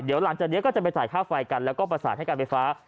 เดี๋ยวหลังจากนี้ก็จะไปจ่ายค่าไฟกันแล้วก็ประสานให้การไฟฟ้า